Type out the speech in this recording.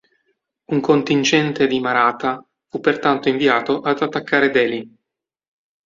Un contingente di Maratha fu pertanto inviato ad attaccare Delhi.